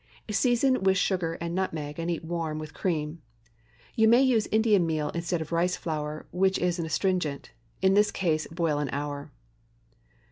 Season with sugar and nutmeg, and eat warm with cream. You may use Indian meal instead of rice flour, which is an astringent. In this case, boil an hour.